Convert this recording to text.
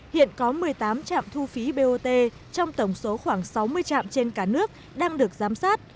hiện có một mươi tám trạm thu phí bot trong tổng số khoảng sáu mươi trạm trên cả nước đang được giám sát